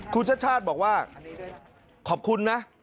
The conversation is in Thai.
คุณชาติชาติบอกว่าขอบคุณนะ